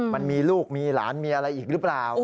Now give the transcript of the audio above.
มันมีลูกมีหลานมีอะไรอีกหรือเปล่า